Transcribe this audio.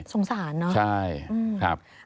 สงสารเนอะ